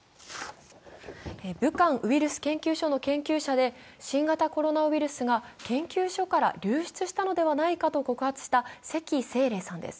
武漢ウイルス研究所の研究者で、新型コロナウイルスが研究所から流出したのではないかと告白した石正麗さんです。